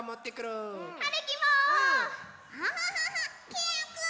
けんくん！